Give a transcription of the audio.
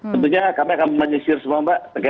tentunya kami akan menyisir semua mbak